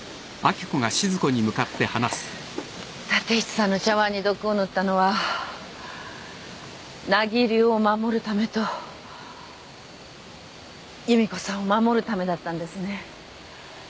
立石さんの茶わんに毒を塗ったのは名木流を守るためと夕美子さんを守るためだったんですね。